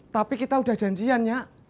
tapi kita udah janjian ya